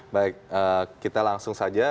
baik kita langsung saja